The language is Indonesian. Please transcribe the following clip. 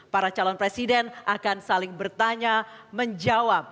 para calon presiden akan saling bertanya menjawab